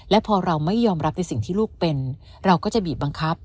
และพอเราไม่ยอมรับในสิ่งที่ลูกเป็นเราก็จะบีบบังคับ